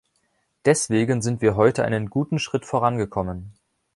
Deswegen sind wir heute einen guten Schritt vorangekommen.